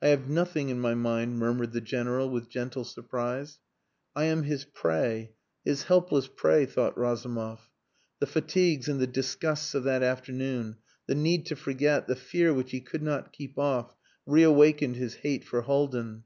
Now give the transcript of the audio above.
"I have nothing in my mind," murmured the General, with gentle surprise. "I am his prey his helpless prey," thought Razumov. The fatigues and the disgusts of that afternoon, the need to forget, the fear which he could not keep off, reawakened his hate for Haldin.